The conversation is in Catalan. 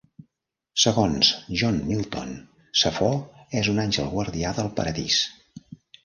Segons John Milton, Zefó és un àngel guardià del Paradís.